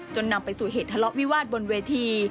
นำไปสู่เหตุทะเลาะวิวาสบนเวที